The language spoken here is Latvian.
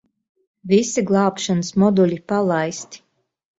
Visi glābšanas moduļi palaisti.